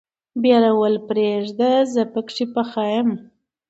ډارول پرېده زه پکې پخه يم.